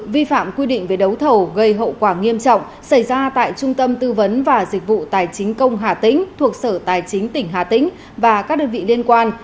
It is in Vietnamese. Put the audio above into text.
vi phạm quy định về đấu thầu gây hậu quả nghiêm trọng xảy ra tại trung tâm tư vấn và dịch vụ tài chính công hà tĩnh thuộc sở tài chính tỉnh hà tĩnh và các đơn vị liên quan